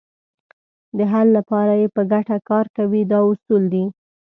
د حل لپاره یې په ګټه کار کوي دا اصول دي.